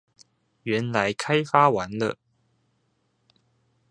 原來開發完了